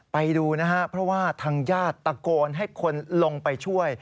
ไปดูนะฮะเพราะว่าทางญาติตะโกนให้คนลงไปช่วย